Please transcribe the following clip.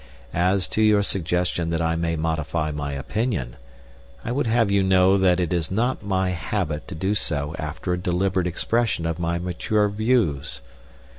As to your suggestion that I may modify my opinion, I would have you know that it is not my habit to do so after a deliberate expression of my mature views.